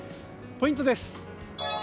ポイントです。